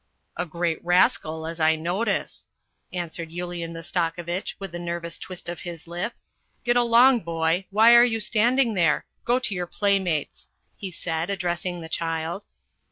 " A great rascal, as I notice," answered Yulian Mastakovitch, with a nervous twist of his lip. " Get along, boy; why are you standing there ? Go to your playmates," he said, addressing the child.